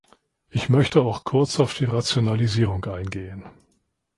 Ich möchte auch kurz auf die Rationalisierung eingehen.